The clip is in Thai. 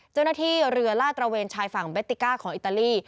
เจ้าหน้าที่เรือลาดตระเวนชายฝั่งเบติก้าของอิตาลี